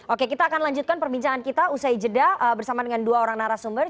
oke kita akan lanjutkan perbincangan kita usai jeda bersama dengan dua orang narasumber